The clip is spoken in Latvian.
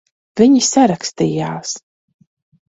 Viņi sarakstījās.